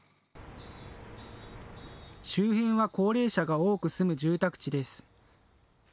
周辺は高齢者が多く住む住宅地です。